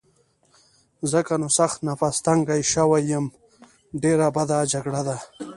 ځکه نو سخت نفس تنګی شوی یم، ډېره بده جګړه ده.